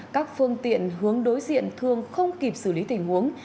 các phương tiện hướng đối diện thường không kịp xử lý tình huống